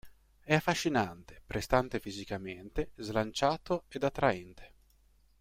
È affascinante, prestante fisicamente, slanciato ed attraente.